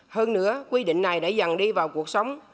hơn nữa quy định này đã dần đi vào cuộc sống